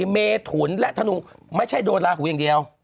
เมถุนและธนูไม่ใช่โดนลาหูอย่างเดียว